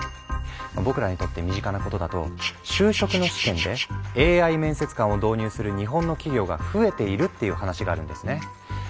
僕らにとって身近なことだと就職の試験でＡＩ面接官を導入する日本の企業が増えているっていう話があるんですね。